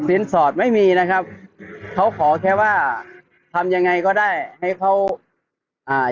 สอดไม่มีนะครับเขาขอแค่ว่าทำยังไงก็ได้ให้เขาอ่า